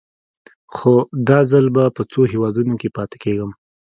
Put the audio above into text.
خو دا ځل به په څو هېوادونو کې پاتې کېږم.